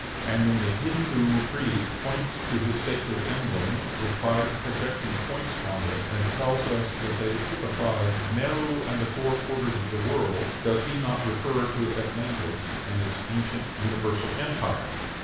And when the Hindoo priest points to his sacred emblem with five projecting points upon it, and tells us that they typify "Mero and the four quarters of the world," does he not refer to Atlantis and its ancient universal empire?